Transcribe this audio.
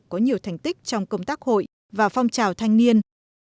có nhiều thành tích trong công tác hội và phong trào thanh niên